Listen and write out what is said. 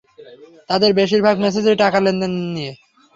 তাদের বেশীরভাগ মেসেজই টাকার লেনদেন নিয়ে।